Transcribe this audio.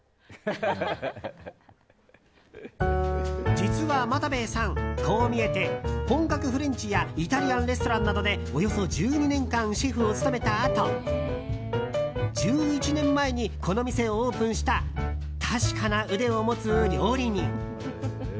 実は、またべぇさんこう見えて本格フレンチやイタリアンレストランなどでおよそ１２年間シェフを務めたあと１１年前にこのお店をオープンした確かな腕を持つ料理人。